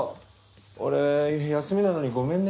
俺休みなのにごめんね。